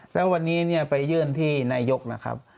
แล้ววันนี้ไปยื่นที่นายกนะครับ